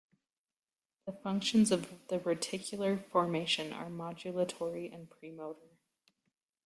The functions of the reticular formation are modulatory and premotor.